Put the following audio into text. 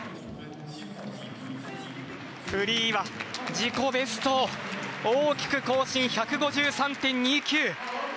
フリーは自己ベストを大きく更新、１５３．２９。